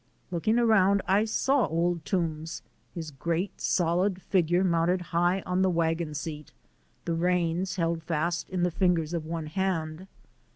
Looking around, I saw Old Toombs, his great solid figure mounted high on the wagon seat, the reins held fast in the fingers of one hand.